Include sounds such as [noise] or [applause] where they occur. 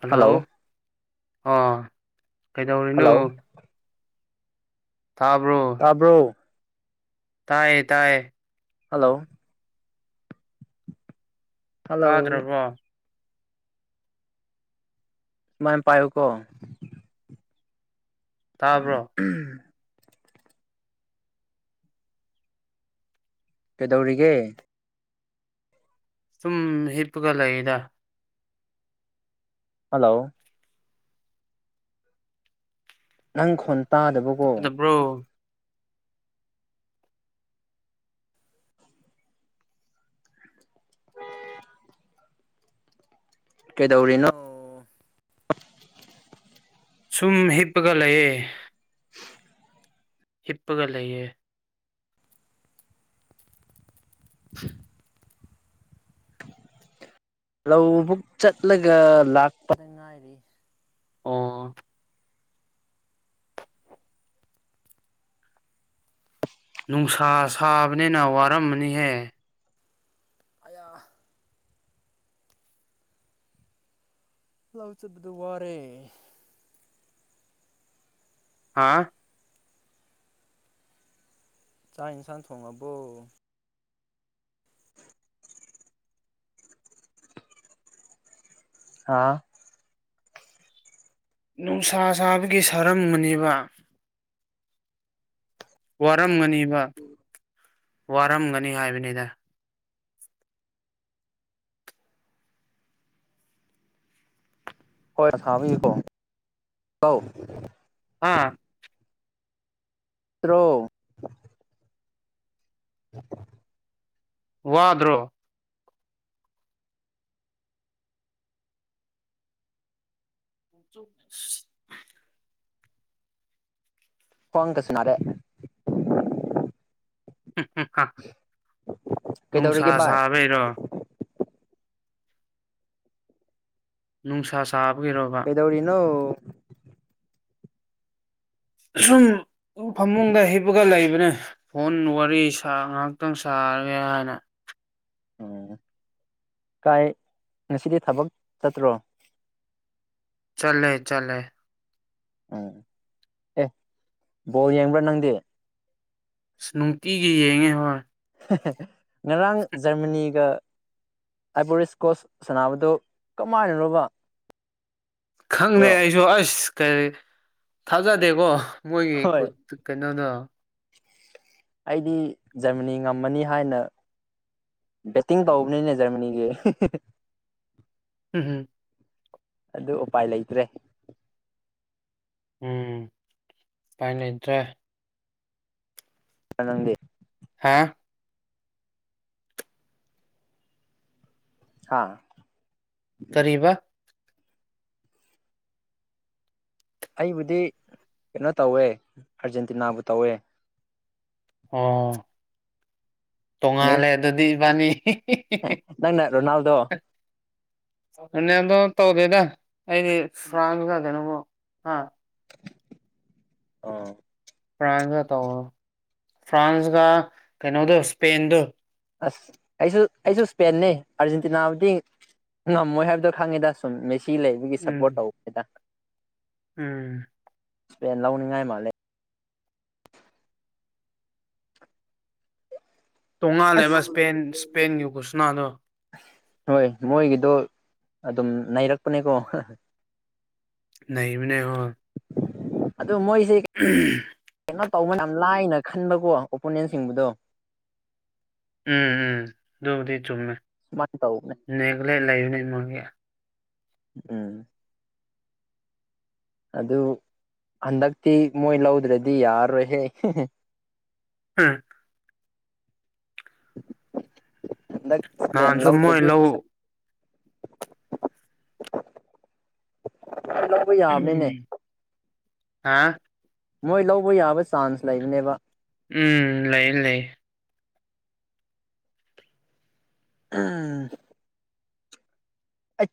hello ꯑꯥ ꯀꯩꯗꯧꯔꯤꯅꯣ hello ꯇꯥꯕ꯭ꯔꯣ ꯇꯥꯕ꯭ꯔꯣ ꯇꯥꯏꯌꯦ ꯇꯥꯏꯌꯦ ꯍꯜꯂꯣ ꯍꯜꯂꯣ ꯇꯥꯗ꯭ꯔꯕꯣ ꯁꯨꯃꯥꯢ ꯄꯥꯏꯌꯨꯀꯣ ꯇꯥꯕ꯭ꯔꯣ ꯎꯝ ꯀꯩꯗꯧꯔꯤꯒꯦ ꯁꯨꯝ ꯍꯤꯞꯄꯒ ꯂꯩꯗ ꯍꯜꯂꯣ ꯅꯪ ꯈꯣꯟ ꯇꯥꯗꯕꯀꯣ [unintelligible] ꯀꯩꯗꯧꯔꯤꯅꯣ ꯁꯨꯝ ꯍꯤꯞꯄꯒ ꯂꯩꯌꯦ ꯍꯤꯞꯄꯒ ꯂꯩꯌꯦ [inaudible] ꯂꯧꯕꯨꯛ ꯆꯠꯂꯒ ꯂꯥꯛꯄ ꯍꯥꯏꯔꯤ ꯑꯣ... ꯅꯨꯡꯁꯥ ꯁꯥꯕꯅꯤꯅ ꯋꯥꯔꯝꯃꯅꯤꯍꯦ ꯑꯌꯥ ꯂꯧꯥ ꯆꯠꯄꯗ ꯋꯥꯔꯦ ꯍꯥꯥꯑ ꯆꯥꯛ ꯏꯟꯁꯥꯡ ꯊꯣꯡꯉꯕꯣ ꯍꯥꯥꯑ ꯅꯨꯡꯁꯥ ꯁꯥꯕꯒꯤ ꯁꯔꯝ ꯃꯅꯤꯕ ꯋꯥꯔꯝꯃꯅꯤꯕ ꯋꯥꯔꯝꯃꯅꯤ ꯍꯥꯏꯕꯅꯤꯗ ꯍꯣꯏ ꯊꯥꯕꯤꯀꯣ [inaudible] ꯑꯧ ꯍꯥ ꯇ꯭ꯔꯣ [inaudible] ꯋꯥꯗ꯭ꯔꯣ [unintelligible] ꯈꯋ꯭ꯥꯡ ꯒꯥꯁꯤ ꯅꯥꯔꯦ [unintelligible] ꯀꯩꯗꯧꯔꯤꯒꯦ ꯅꯨꯡꯁꯥ ꯚꯥꯏ ꯁꯥꯕꯩꯔꯣ ꯅꯨꯡꯁꯥ ꯁꯥꯕꯒꯤ ꯔꯣꯕꯥ ꯀꯩ ꯗꯧꯔꯤꯅꯣ ꯁꯨꯝ ꯐꯃꯨꯡꯗ ꯍꯤꯞꯄꯒ ꯂꯩꯕꯅꯦ ꯐꯣꯟ ꯋꯥꯔꯤ ꯁꯥꯍ ꯉꯥꯍꯥꯛꯇꯪ ꯁꯥꯒꯦ ꯍꯥꯏꯅ ꯎꯝ ꯀꯥꯏ ꯉꯁꯤꯗꯤ ꯊꯕꯛ ꯆꯠꯇ꯭ꯔꯣ ꯆꯠꯂꯦ ꯆꯠꯂꯦ ꯎꯝ ꯑꯦ ꯕꯣꯟ ꯌꯦꯡꯕ꯭ꯔꯥ ꯅꯪꯗꯦ ꯑꯁ ꯅꯨꯡꯇꯤꯒꯤ ꯌꯦꯡꯉꯦ ꯍꯣꯏ [unintelligible] ꯉꯔꯥꯡ ꯖꯔꯃꯅꯤꯒ ꯑꯥꯏꯕꯣꯔꯤ ꯏꯁꯀꯣꯁ ꯁꯥꯟꯅꯕꯗꯨꯣ ꯀꯃꯥꯏꯅꯅꯣꯕ ꯈꯪꯗꯦ ꯑꯗꯣ ꯑꯩꯁꯨ ꯑꯁ ꯀꯔꯤ ꯊꯥꯖꯗꯦꯀꯣ ꯃꯣꯏꯒꯤ ꯍꯣꯏ ꯀꯀꯅꯥꯅꯣ ꯑꯩꯗꯤ ꯖꯔꯃꯅꯤ ꯉꯝꯃꯅꯤ ꯍꯥꯏꯅ ꯕꯦꯠꯇꯤꯡ ꯇꯧꯕꯅꯤꯅꯦ ꯖꯔꯃꯅꯤꯒꯤ ꯎꯝ ꯍꯨꯝ ꯑꯗꯨ ꯎꯄꯥꯏ ꯂꯩꯇ꯭ꯔꯦ ꯎꯝ ꯄꯥꯏ ꯂꯩꯇ꯭ꯔꯦ ꯑꯔꯡꯗꯤ ꯍꯥꯥꯑ ꯍꯥ ꯀꯔꯤꯕ ꯑꯩꯕꯨꯗꯤ ꯀꯩꯅꯣ ꯇꯧꯋꯦ ꯑꯥꯔꯖꯦꯟꯇꯤꯅꯥꯕꯨ ꯇꯧꯋꯦ ꯑꯣ... ꯇꯣꯡꯉꯥꯜꯂꯦ ꯃꯦꯁ ꯑꯗꯨꯗꯤ ꯏꯕꯥꯅꯤ ꯅꯪꯅ ꯔꯣꯅꯥꯜꯗꯣ [unintelligible] ꯅꯅꯦꯗꯣ ꯇꯧꯗꯦꯗ ꯑꯩꯗꯤ ꯐꯥꯟꯀ ꯀꯩꯅꯣꯒ ꯑ ꯑꯣ ꯐ꯭ꯔꯥꯟꯁꯒ ꯇꯧ ꯐ꯭ꯔꯥꯟꯁꯀ ꯀꯩꯅꯣꯗꯣ ꯁꯄꯦꯟꯗꯣ ꯑꯁ ꯑꯩꯁꯨ ꯑꯩꯁꯨ ꯁ꯭ꯄꯦꯟꯅꯦ ꯑꯥꯔꯖꯦꯟꯇꯤꯅꯥꯕꯨꯗꯤ ꯉꯝꯃꯣꯏ ꯍꯥꯏꯕꯗꯣ ꯈꯪꯉꯦꯗꯁ ꯁꯨꯝ ꯃꯦꯁꯤ ꯂꯩꯕꯒꯤ ꯎꯝ ꯁꯞꯄꯣꯔꯠ ꯇꯧ [unintelligible] ꯎꯝ ꯂꯧꯅꯤꯡꯉꯥꯏ ꯃꯥꯜꯂꯦ ꯑꯁ ꯇꯣꯉꯥꯜꯂꯦꯕ ꯏꯁꯄꯦꯟ ꯏꯁꯄꯦꯟꯒꯤ ꯒꯨꯁꯅꯥꯗꯣ ꯍꯣꯏ ꯃꯣꯏꯒꯤꯗꯣ ꯑꯗꯨꯝ ꯅꯅꯩꯔꯛꯄꯅꯦꯀꯣ ꯅꯩꯕꯅꯦ ꯍꯣ ꯑꯗꯨ ꯃꯣꯏꯁꯦ [unintelligible] ꯀꯩꯅꯣ ꯇꯧꯕ ꯌꯥꯝ ꯂꯥꯏꯅ ꯈꯟꯕꯀꯣ ꯑꯣꯄꯣꯅꯦꯟꯁꯤꯡꯕꯨꯗꯣ ꯎꯝ ꯎꯝ ꯑꯗꯨꯕꯨꯗꯤ ꯆꯨꯝꯃꯦ [unintelligible] ꯅꯦꯒ꯭ꯂꯦꯠ ꯂꯩꯕꯅꯤ ꯃꯣꯏꯒꯤ ꯎꯝ ꯑꯗꯨ ꯍꯟꯗꯛꯇꯤ ꯃꯣꯏ ꯂꯧꯗ꯭ꯔꯗꯤ ꯌꯥꯔꯔꯣꯏꯍꯦ ꯎꯝ ꯍꯟꯗꯛ ꯏꯁꯄꯦꯟ ꯅꯍꯥꯟꯁꯨ ꯃꯣꯏ ꯂꯧꯗ꯭ꯔꯗꯤ ꯂꯧ [inaudible] ꯎꯝ ꯍꯥ ꯃꯣꯏ ꯂꯧꯕ ꯌꯥꯕ ꯆꯥꯟꯁ ꯂꯩꯕꯅꯦꯕ ꯎꯝ ꯂꯩ ꯂꯩ ꯎꯝ